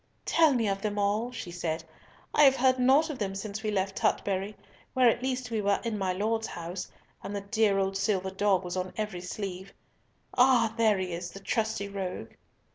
"Tell me of them all," she said. "I have heard naught of them since we left Tutbury, where at least we were in my Lord's house, and the dear old silver dog was on every sleeve. Ah! there he is, the trusty rogue."